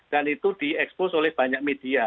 dan itu diekspos oleh banyak media